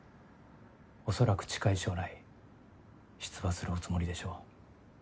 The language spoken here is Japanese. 恐らく近い将来出馬するおつもりでしょう。